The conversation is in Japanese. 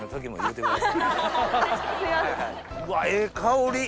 うわええ香り！